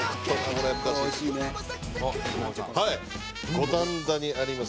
五反田にあります